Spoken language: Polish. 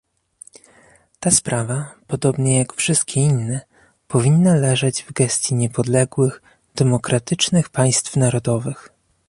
Ta sprawa, podobnie jak wszystkie inne, powinna leżeć w gestii niepodległych, demokratycznych państw narodowych